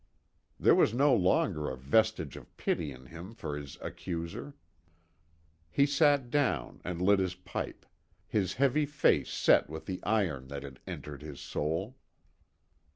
There was no longer a vestige of pity in him for his accuser. He sat down and lit his pipe, his heavy face set with the iron that had entered his soul.